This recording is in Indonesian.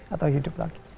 atau hidup lagi